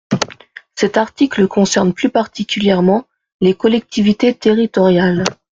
Cet article concerne plus particulièrement les collectivités territoriales.